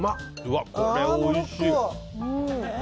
これ、おいしい！